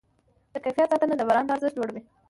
د کیفیت ساتنه د برانډ ارزښت لوړوي.